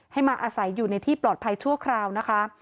มาอาศัยอยู่ในที่ปลอดภัยชั่วคราวนะคะ